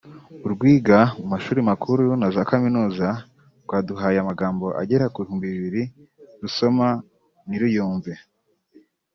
urwiga mu mashuri makuru na za kaminuza rwaduhaye amagambo agera ku bihumbi bibiri rusoma ntiruyumve